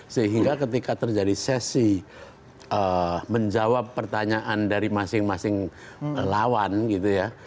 sehingga ketika terjadi sesi menjawab pertanyaan dari masing masing lawan gitu ya